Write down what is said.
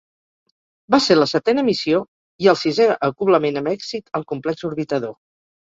Va ser la setena missió i el sisè acoblament amb èxit al complex orbitador.